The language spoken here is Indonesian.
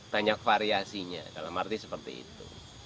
banyak variasinya dalam arti seperti itu